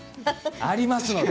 ありますので。